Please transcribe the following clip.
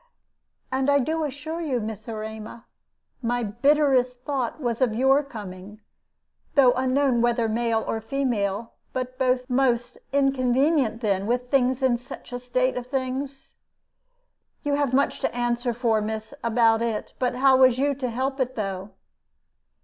And I do assure you, Miss Erema, my bitterest thought was of your coming, though unknown whether male or female, but both most inconvenient then, with things in such a state of things. You have much to answer for, miss, about it; but how was you to help it, though?